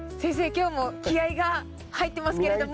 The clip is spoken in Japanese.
今日も気合いが入ってますけれども。